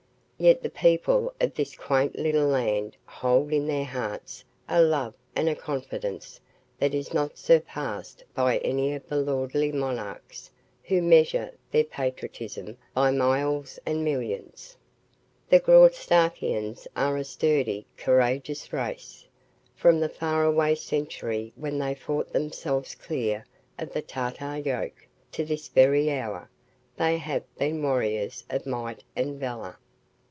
Yet the people of this quaint little land hold in their hearts a love and a confidence that is not surpassed by any of the lordly monarchs who measure their patriotism by miles and millions. The Graustarkians are a sturdy, courageous race. From the faraway century when they fought themselves clear of the Tartar yoke, to this very hour, they have been warriors of might and valor.